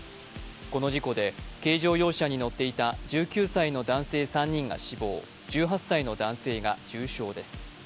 この事故で軽乗用車に乗っていた１９歳の男性３人が死亡、１８歳の男性が重傷です。